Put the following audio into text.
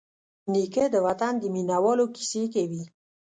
نیکه د وطن د مینوالو کیسې کوي.